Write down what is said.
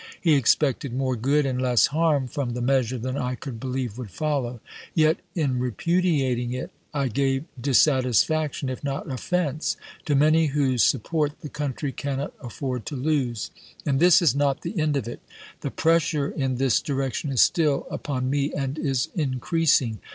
He expected more good and less harm from the measure than I could believe would follow. Yet, in repudiating it, I gave dissatisfaction, if not offense, to many whose sup port the country cannot afford to lose. And this is not the end of it. The pressure in this direction is still upon me, and is increasing.